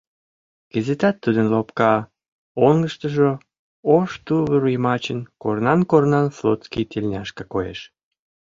Кызытат тудын лопка оҥыштыжо ош тувыр йымачын корнан-корнан флотский тельняшка коеш.